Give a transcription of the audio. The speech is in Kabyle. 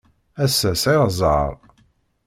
Ass-a, sɛiɣ zzheṛ.